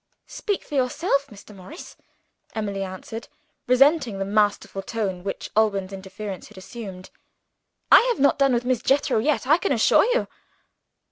"Speak for yourself, Mr. Morris," Emily answered, resenting the masterful tone which Alban's interference had assumed. "I have not done with Miss Jethro yet, I can assure you."